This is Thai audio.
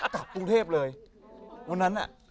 กลับกรุงเทพเลยวันนั้นน่ะ